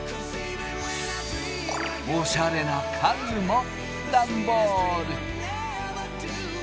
おしゃれな家具もダンボール。